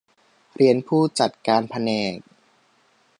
เรียนผู้จัดการแผนก